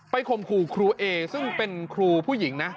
ข่มขู่ครูเอซึ่งเป็นครูผู้หญิงนะ